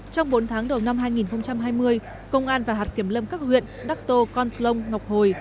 trong bốn tháng đầu năm hai nghìn hai mươi công an và hạt kiểm lâm các huyện đắc tô con plông ngọc hồi